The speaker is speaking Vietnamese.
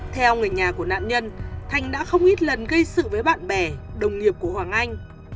theo người nhà của nạn nhân thành đã không ít lần gây sự với bạn bè đồng nghiệp của hoàng anh